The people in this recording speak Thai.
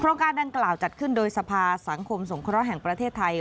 การดังกล่าวจัดขึ้นโดยสภาสังคมสงเคราะห์แห่งประเทศไทย